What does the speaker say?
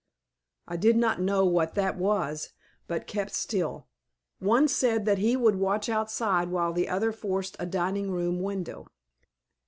I did not know what that was but kept still. One said that he would watch outside while the other forced a dining room window.